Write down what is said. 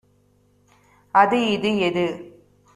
அது இது எது